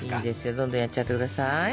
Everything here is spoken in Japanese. どんどんやっちゃって下さい。